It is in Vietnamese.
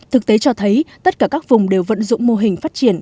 thực tế cho thấy tất cả các vùng đều vận dụng mô hình phát triển